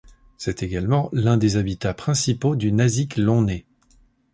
C'est également l'un des habitats principaux du nasique Long nez.